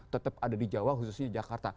tetap ada di jawa khususnya jakarta